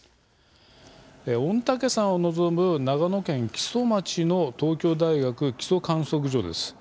御嶽山を望む長野県木曽町の東京大学木曽観測所です。